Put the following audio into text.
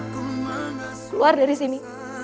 keluar dari sini